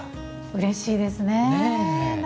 うれしいですね。